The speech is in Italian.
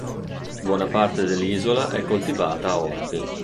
Buona parte dell'isola è coltivata a orti.